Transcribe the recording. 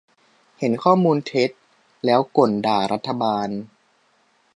- เห็นข้อมูลเท็จ แล้วก่นด่ารัฐบาล